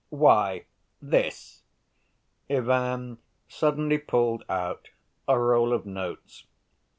"Why, this," Ivan suddenly pulled out a roll of notes.